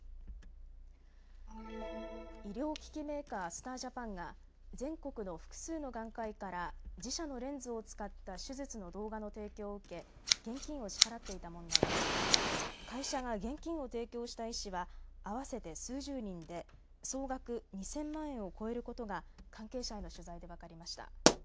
医療機器メーカー、スター・ジャパンが全国の複数の眼科医から自社のレンズを使った手術の動画の提供を受け現金を支払っていた問題で会社が現金を提供した医師は合わせて数十人で総額２０００万円を超えることが関係者への取材で分かりました。